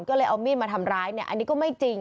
ก็เลยเอามีดมาทำร้ายเนี่ยอันนี้ก็ไม่จริง